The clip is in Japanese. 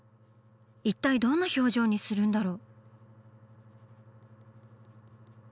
一体どんな表情にするんだろう？